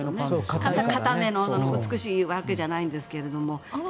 硬めの美しい枠じゃないんですけど。